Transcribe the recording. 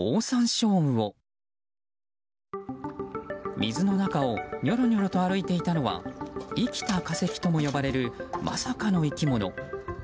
水の中をにょろにょろと歩いていたのは生きた化石とも呼ばれるまさかの生き物。